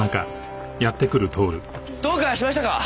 どうかしましたか？